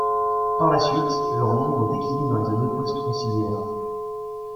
Par la suite leur nombre décline dans les années post-conciliaires.